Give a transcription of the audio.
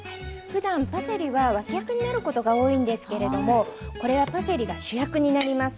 ふだんパセリは脇役になることが多いんですけれどもこれはパセリが主役になります。